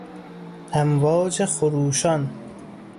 امواج خروشان